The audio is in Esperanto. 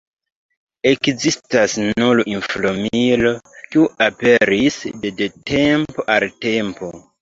Ekzistas nur informilo, kiu aperis de de tempo al tempo.